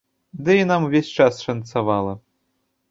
Ды і нам увесь час шанцавала.